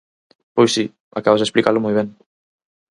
Pois si, acabas de explicalo moi ben.